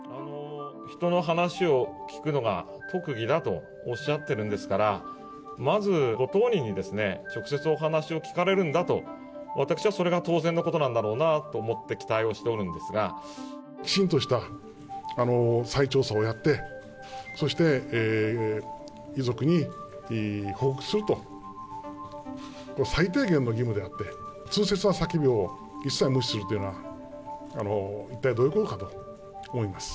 人の話を聞くのが特技だとおっしゃってるんですから、まず、ご当人に直接お話を聞かれるんだと、私はそれが当然のことなんだろうなと思って期待をしておるんですきちんとした再調査をやって、そして遺族に報告すると、最低限の義務であって、痛切な叫びを一切無視するというのは、一体どういうことかと思います。